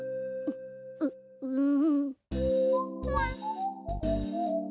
うううん。